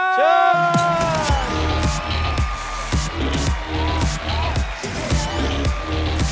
เชิญ